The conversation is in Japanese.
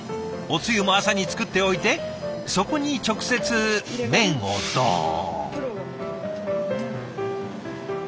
おつゆも朝に作っておいてそこに直接麺をどん。